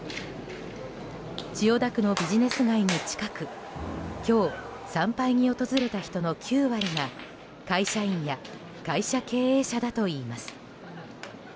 千代田区のビジネス街に近く今日、参拝に訪れた人の９割が会社員や会社経営者だといいます。